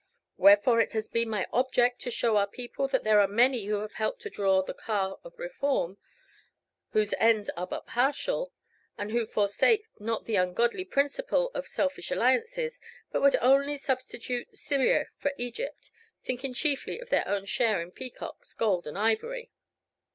Wherefore it has been my object to show our people that there are many who have helped to draw the car of Reform, whose ends are but partial, and who forsake not the ungodly principle of selfish alliances, but would only substitute Syria for Egypt thinking chiefly of their own share in peacocks, gold and ivory."